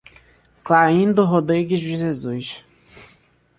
Clarindo Rodrigues de Jesus